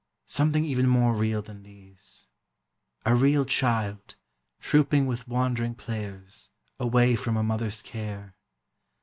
something even more real than these: a real child, trouping with wandering players, away from a mother's care